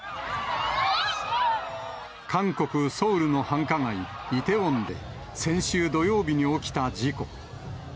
韓国・ソウルの繁華街、イテウォンで、先週土曜日に起きた事故。